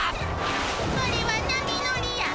それは波乗りや。